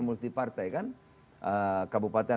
multi partai kan kabupaten